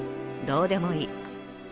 どうでもいい。